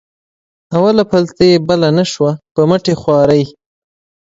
اوله پلته یې بله نه شوه په مټې خوارۍ.